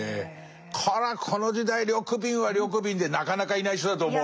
こりゃこの時代緑敏は緑敏でなかなかいない人だと思うよ。